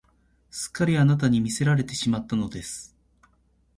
すっかりあなたに魅せられてしまったのです